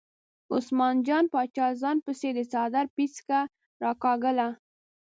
عثمان جان باچا ځان پسې د څادر پیڅکه راکاږله.